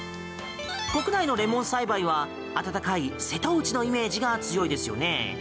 国内のレモン栽培は暖かい瀬戸内のイメージが強いですよね。